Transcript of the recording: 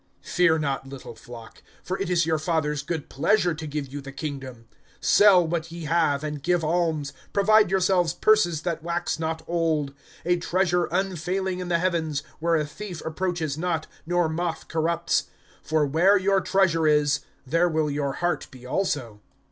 (32)Fear not, little flock; for it is your Father's good pleasure to give you the kingdom. (33)Sell what ye have, and give alms; provide yourselves purses that wax not old, a treasure unfailing in the heavens, where a thief approaches not, nor moth corrupts. (34)For where your treasure is, there will your heart be also.